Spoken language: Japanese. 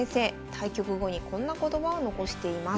対局後にこんな言葉を残しています。